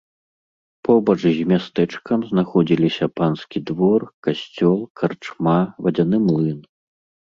Побач з мястэчкам знаходзіліся панскі двор, касцёл, карчма, вадзяны млын.